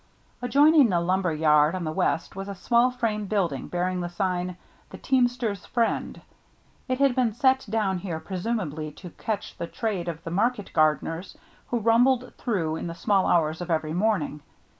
Adjoining the lumber yard on the west was a small frame building, bearing the sign, " The Teamster's Friend." It had been set down here presumably to catch the trade of the market gardeners who rumbled through in the small hours of every morning.